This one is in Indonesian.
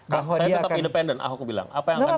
saya tetap independen ahok bilang apa yang akan dilakukan golkar